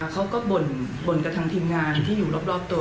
เขาก็บ่นกับทางทีมงานที่อยู่รอบตัว